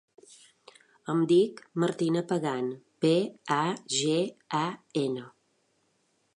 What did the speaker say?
Em dic Martina Pagan: pe, a, ge, a, ena.